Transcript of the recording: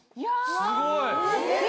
すごい！